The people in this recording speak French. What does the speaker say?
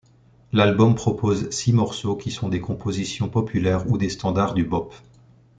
L'album propose six morceaux qui sont des compositions populaires ou des standards du bop.